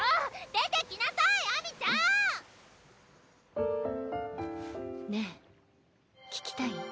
出てきなさい秋水ちゃん！ねえ聞きたい？